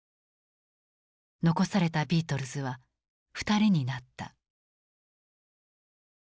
残されたビートルズは２人になった。